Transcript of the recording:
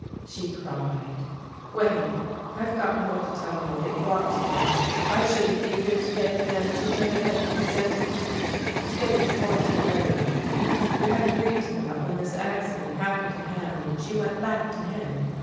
she cried. "Wait I've got more to tell you, that you ought to know. I shouldn't be here to day if Nancy Durrett had consented to to get a divorce and marry me. We had agreed to that when this accident happened to Ham, and she went back to him.